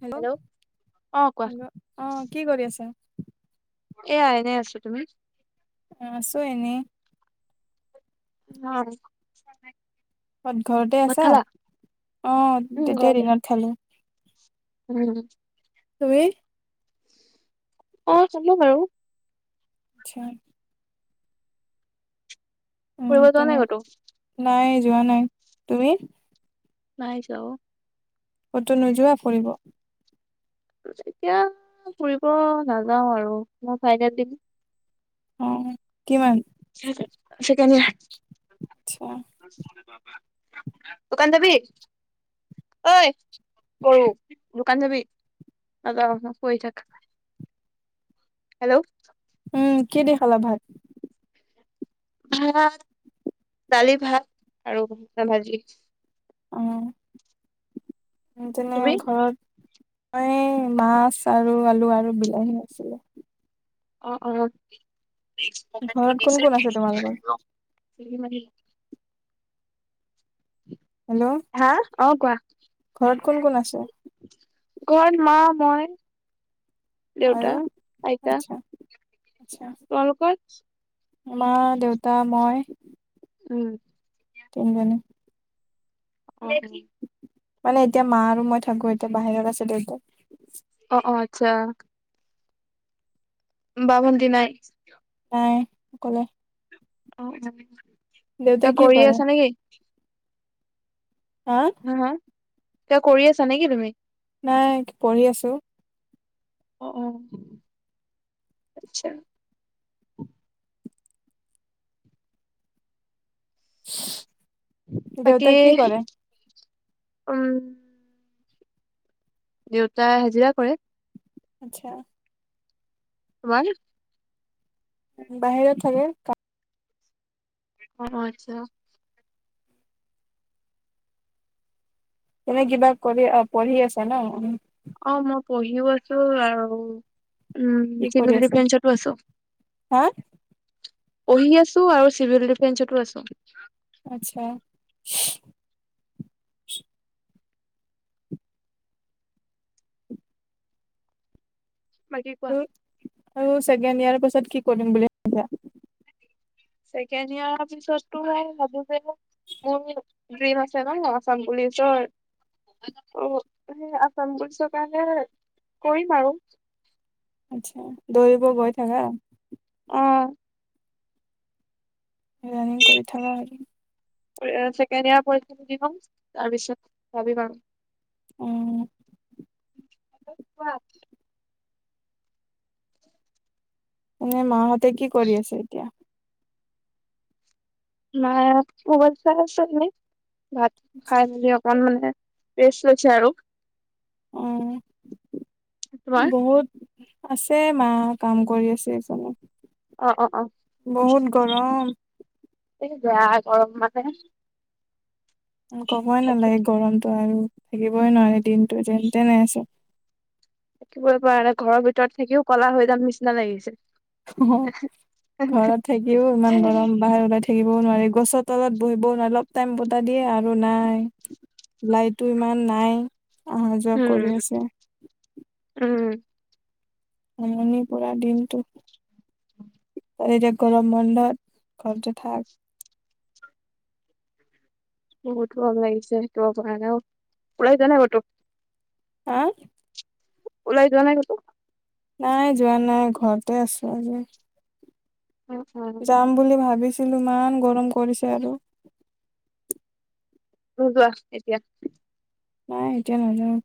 Hello অ কোৱা hello. অ, কি কৰি আছা। এয়া এনেই আছো। তুমি? অ, আছো এনেই। ন [unintelligible] ত ঘৰতে আছা? অ উম তেতিয়া ঘৰতে দিনত খালো। উম। তুমি? অ খালো বাৰু। আচ্ছা। উম ফুৰিব যোৱা নাই তেনে ক'তো নাই যোৱা ন। নাই তুমি? নাই যোৱা অও। কটো নোযোৱা ফুৰিব? এতিয়া ফুৰিব নাযাও আৰু মই চাইনাত দিম‌। অ। কিমান? সেইকাৰণে, আচ্ছা দোকান জাবি? ঐ গৰু দোকান যাবি? অ চক কৰি হেল্ল', উম কিহেদি খালা ভাত? ভাত দালি ভাত আৰু ভা ভাজি। অহ। তেনে তুমি ঘৰত, ম এই মাছ আৰু আলু আৰু বিলাহী আছিলে। অ অ। ঘৰত কোন কোন আছে তোমালোকৰ? চ্ৰীমাৰিল হেল্ল', হা অ কোৱা, ঘৰত কোন কোন আছে? ঘত মা মই দেউতা আৰু আইতা আচ্ছা। তোমালোকৰ? মা দেউতা মই, উম। তিনজনি হয়। মানে এতিয়া মা আৰু মই থাকো, এতিয়া বাহিৰত আছিলো এতিয়া। অ অ আচ্ছা। বা, ভন্তি নাই? নাই অকলে। অ উ এ কি কৰি কৰে আছা নেকি? হা? এ কৰি আছা নেকি তুমি? নাই পঢ়ি আছো। অ অ আচ্ছা। বাকী দেউতা কি কৰে? উম। দেউতাই হাজিৰা কৰে। আচ্ছা। বাৰু বাহিৰত থাকে। অ আচ্ছা এনে কিবা কৰি আহ পঢ়ি আছা ন উ? অ মই পঢ়িও আছো আৰু উম কি কৰি চিবিল আছা ডিফেন্স টো আছো হা পঢ়ি আছো আৰু চিভিল ডিফেন্সতো আছো। আচ্ছা। বাকী কোৱা? ছেকেণ্ড ইয়াৰ পাছত কি কৰিম বুলি ভাবিছা? ছেকেণ্ড ইয়াৰ পিচটো ভাবো যে। মোৰ ডিম আছে ন আছাম পুলিচৰ অঁ সেই আসাম পুলিচৰ কাৰণে কৰিম আৰু আচ্ছা দৌৰিব গৈ থাকা অ ৰানিং কৰি থাকা আৰু ছেকেণ্ড ইয়াৰ পৰীক্ষা দি লম তাৰপিছত ভাবিম আৰু আহঁ। কোৱা। এনে মাহঁতে কি কৰি আছে এতিয়া মায় খুব চাই আছো এনেই ভাত খাই মেলি অকন মানে ৰেচ লৈছে আৰু। আহঁ তোমাৰ বহুত আছে মা কাম কৰি আছে সেই ফালে অ অ অ বহুত গৰম। বেয়া গৰম মানে। ক'বই নালাগে থাকি গৰমটো আৰু থাকিবই নোৱাৰি দিনটো যেন তেনে আছো থাকিবলৈ পৰা নাই ঘৰৰ ভিতৰত থাকিও কলা হৈ যাম নিচিনা লাগিছে অঁ ঘৰত থাকিওঁ ইমান গৰম বাহিৰ ওলাই থাকিবও নোৱাৰি গছৰ তলত বহিব অলপ টাইম বতাহ দিয়ে আৰু নাই লাইটো ইমান নাই আঁহ জব উম কৰি আছে। উম। আমনি পৰা দিনতো। [unintelligible] এতিয়া গৰম বন্ধত ঘৰতে থাক বহুত গৰম লাগিছে থাকিব পৰা নাই ওলাই যোৱা নাই কতো? হাঁ ওলাই যোৱা নাই কতো নাই যোৱা নাই ঘৰতে আছো আজি অ অ যাম বুলি ভাবিছিলো ইমান গৰম কৰিছে আৰু যোৱা এতিয়া নাই এতিয়া নাজাওঁ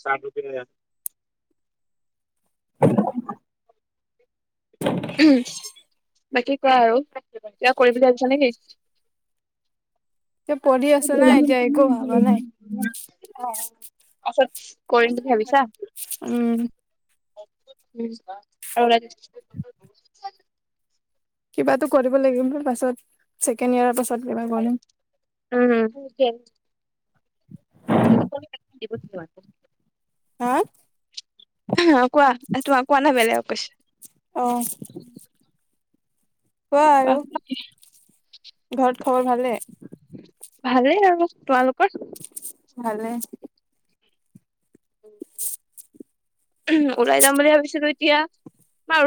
চাঁ [unintelligible] [unintelligible] উম। [unintelligible] বাকী কোৱা আৰু কিবা কৰিম বুলি ভাবিছা নেকি! এতিয়া পঢ়ি আছো না এতিয়া একো ভাবা নাই [unintelligible] পাছত কৰিম বুলি ভাবিছা উম উম আৰু [unintelligible] কিবা এটা কৰিব লাগিব পাছত ছেকেণ্ড ইয়াৰৰ পাছত কিবা কৰিম উম [unintelligible] হা অঁ কোৱা তোমাক কোৱা নাই বেলেগ কৈছে। হয়। কোৱা ঘৰত খবৰ ভালে। ভালেই আৰু তোমালোকৰ। ভালে ওলাই যাম বুলি ভাবিছিলো এতিয়া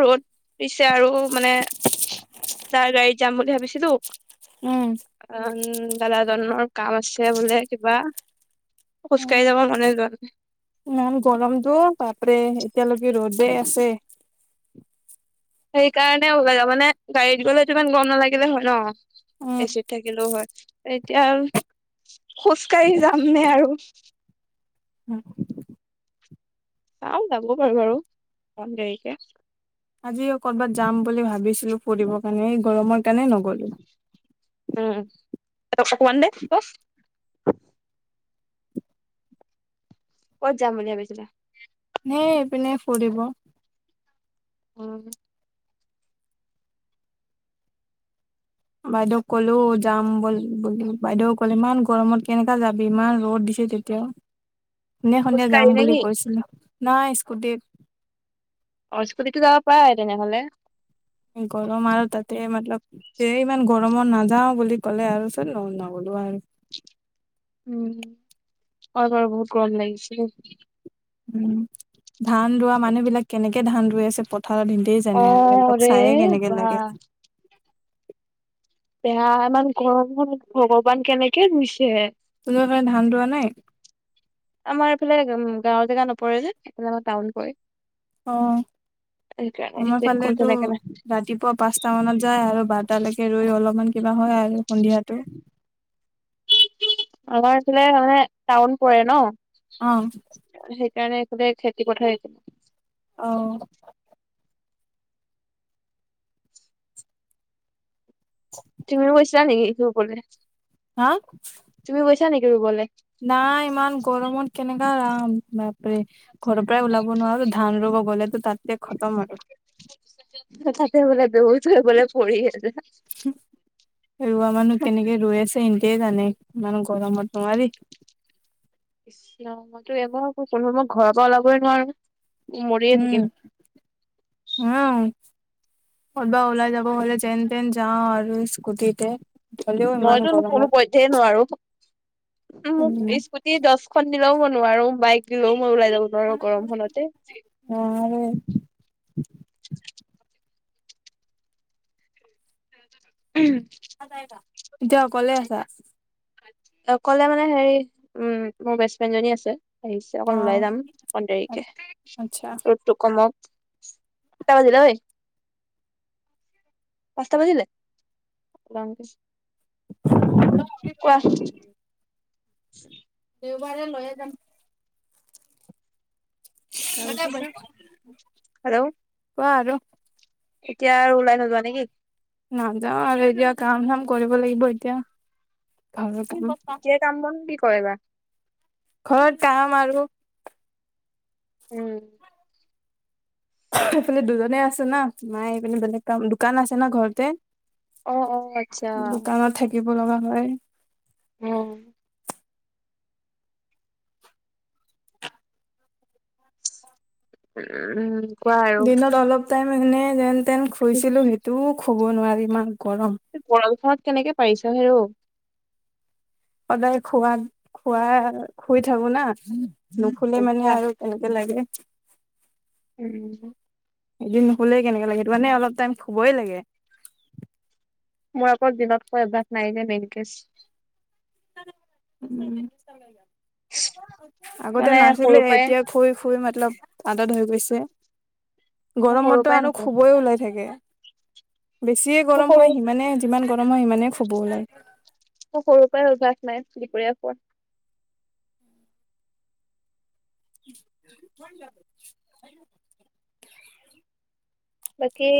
ৰ'দ দিছে পিছে আৰু মানে যাৰ গাড়ীত যাম বুলি ভাবিছিলো উম উম দাদা ধৰনৰ কাম আছে বোলে কিবা উ খোজকাঢ়ি যাব মনে যোৱা নাই মম গৰম দ বাপ্ৰে এতিয়ালৈকে ৰ'দে আছে সেইকাৰণে ওলালে মানে গাড়ীত গলে ইমান গম নালাগিলে হয় ন এচিড থাকিলেও হয় এতিয়া খোজ কাঢ়ি যাম নে আৰু উম চাও যাব পাৰোঁ বাৰু অকন দেৰিকে আজি কৰবাত যাম বুলি ভাবিছিলো ফুৰিবৰ কাৰণে এই গৰমত সেইকাণে নগলো উম অকমান দে অ ক'ত যাম বুলি ভাবিছিলি? সেই এইপিনে ফুৰিব অ বাইদেউক ক'লো যাম বল বুলি বাইদেউক ক'ল ইমান গৰমত কেনেকা যাবি ইমান ৰ'দ দি তেতিয়া সোনে সন্ধিয়া যাম খোজকাঢ়ি নে বুলি কি? কৈছিলো নাই স্কুটিত অস্কুটো যাব পাৰে তেনেহলে গৰম আৰু তাতে মতল স ইমান গৰম গৰমত নাযাও বুলি ক'লে আৰু চত লম নগলো আৰু উ হয় বাৰু বহুত গৰম লাগিছিলে উ ধান ৰোৱা মানুহ বিলাক কেনেকে ধান ই আছে প [unintelligible] কথা নিধেই অ জানে আৰু সিহঁতক ৰে চায়ে কেনেকে বা লাগে বয়া ইমান গৰম ভগৱান কেনেকে ৰুইছে তোমাৰ কাৰণে ধান ৰোৱা নাই আমাৰ এইফালে গাঁওৰ জেগা নপৰে যে সফালে আমাৰ টাউন পৰে অ সেইকাৰণে আমাৰ সেইটোৱে কোন ফালেতো তেনেকে নাই ৰাতিপুৱা পাঁচটা মানত যায় আৰু বাৰটালৈকে ৰৈ অলপমান কিবা হয় আৰু সন্ধিয়াটো আমাৰ ফালে তাৰ মানে টাউন পৰে ন অ সেই কাৰণে গোতেই খেতি পথাৰেই অহ তুমিও গৈছা নিকি ৰুবলে হা তুমি গৈছা নেকি ৰুবলে? নাই ইমান গৰমত কেনেকে ৰাম বাপৰে ঘৰৰ পৰাই ওলাব নোৱাৰো ধান ৰোব গলেতো তাতে খতম আৰু [unintelligible] পৰি আছে। ৰোৱা মানুহ কেনেকে ৰৈ আছে এন্তে জানে ইমান গৰমত নোৱাৰি মইতো এবাৰ কৈছো নকয় মই ঘৰৰ পৰা ওলাবই নোৱাৰো মৰিয়ে উম থাকিম উম কবাত ওলাই যাব হলে যেন তেন যাওঁ আৰু স্কুটিতে হ'লেও ইমান মইতো কোনো গৰমত পইধেই নোৱাৰো মোক স্কুটি দচখন দিলেও মই নোৱাৰো বাইক ল মই ওলাই যাব নোৱাৰো গৰমখনতে নোৱাৰে উম এতিয়া অকলে আছা অকলে মানে হেৰি উ মোৰ বেষ্ট ফ্ৰেণ্ড জনী আছে আহিছে অ অকণ ওলাই যাম অণ দেৰিকে আচ্ছা ৰ'দটো কমক কেটা বাজিলে ঐ পাঁচটা বাজিলে কোৱা [unintelligible] [inaudible] দেওবাৰে লৈয়ে যাম। তাতে তাৰপিছত বৈ হেল্ল' কোৱা আৰু [unintelligible] এতিয়া আৰু ওলাই নোযোৱা নেকি? নাযাওঁ আৰু এতিয়া কাম চাম কৰিব লাগিব এতিয়া। [unintelligible] কয় বা ঘৰত কাম আৰু উম এইফালে দুজনে আছে না মায়ে এইপিনে বেলেগ কাম দোকান আছে না ঘৰতে অহ অহ আচ্ছা দিব লগা হয়। উম উম উম কোৱা আৰু দিনত অলপ টাইম এনে যেন তেন শুইছিলো সেইটোও শুব নোৱাৰি ইমান গৰম গৰমখনত কেনেকে পাৰিছ হেৰৌ সদায় খোৱাত খুৱা শুই থাকো না। নুশুলে মানে অভ্যাস আৰু কেনেকে লাগে। [unintelligible] এদিন নোশুলেই কেনেকা লাগে মানে অলপ টাইম শুবই লাগে। মোৰ আকৌ দিনত শুৱা অভ্যাস নাই যে মেইনকেছ উ আগতে মানে নাছিলে সৰুৰ পৰাই এতিয়া শুই শুই মাত- অলপ আদত হৈ গৈছে মই সৰুৰ গৰমতো পৰাই আন নাখাওঁ শুবই ওলাই থাকে। বেছিয়ে মোৰ গৰম সৰু হয় সিমানে যিমান গৰম হয় সিমানে শুব ওলায়। ম সৰুৰ পৰাই অভ্যাস নাই দুপৰীয়া খোৱা [unintelligible] [unintelligible] [inaudible] বাকী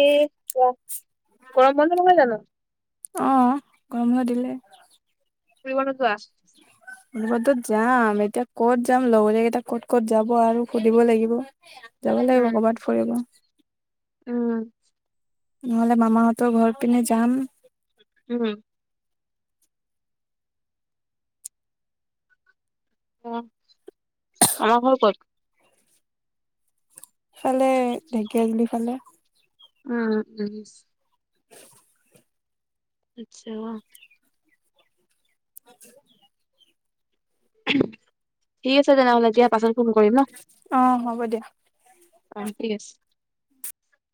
গৰম বন্ধ নহয় জানো অ গৰম বন্ধ দিলে ফুৰিবলে যোৱা [unintelligible] ত যাম এতিয়া ক'ত যাম লগতে কেইটা ক'ত ক'ত যাব আৰু সুধিব লাগিব। যাব লাগিব উম কৰ'বাত ফুৰিব। উম নহলে মামাহঁতৰও ঘৰ পিনে যাম। উম অ মামা ঘৰ ক'ত? ইফালে ঢেকীয়াজুলি ফালে উ [inaudible] আচ্ছা [inaudible] ঠিক আছে তেনেহ'লে দিয়া পাছত ফোন কৰিম ন অ' হ'ব দিয়া। অ ঠিক আছে।